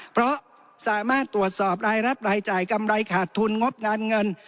เพราะสามารถตรวจสอบรายรับรายจ่ายกำไรขาดทุนงบงานเงิน